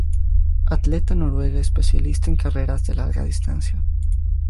Atleta noruega especialista en carreras de larga distancia.